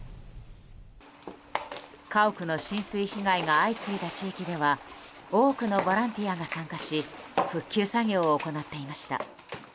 家屋の浸水被害が相次いだ地域では多くのボランティアが参加し復旧作業を行っていました。